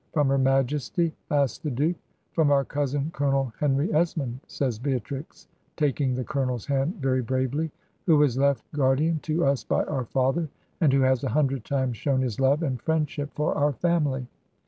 'From her Majesty?' asks the Duke. 'From our cousin. Colonel Henry Esmond,' says Beatrix, taking the colonel's hand very bravely, 'who was left guardian to us by our father, and who has a hundred times shown his love and friendship for our family.'